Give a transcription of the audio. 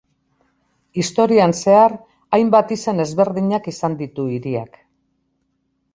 Historian zehar, hainbat izen ezberdinak izan ditu hiriak.